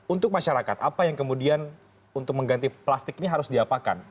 untuk masyarakat apa yang kemudian untuk mengganti plastik ini harus diapakan